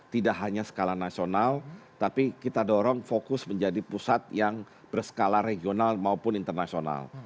tidak hanya skala nasional tapi kita dorong fokus menjadi pusat yang berskala regional maupun internasional